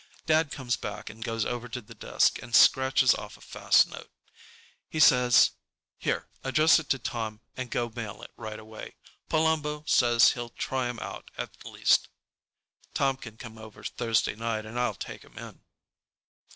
Dad comes back and goes over to the desk and scratches off a fast note. He says, "Here. Address it to Tom and go mail it right away. Palumbo says he'll try him out at least. Tom can come over Thursday night and I'll take him in."